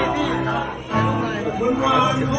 ฉันยังห่วงใจ